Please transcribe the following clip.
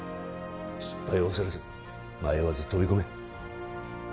失敗を恐れず迷わず飛び込め